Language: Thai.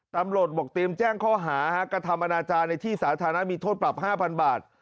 ตำรวจบอกเตรียมแจ้งข้อหากระทำอนาจารย์ในที่สาธารณะมีโทษปรับ๕๐๐บาท